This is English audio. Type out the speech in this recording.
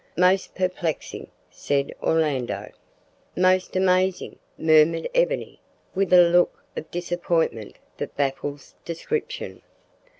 "Most perplexing!" said Orlando. "Most amazin'!" murmured Ebony, with a look of disappointment that baffles description.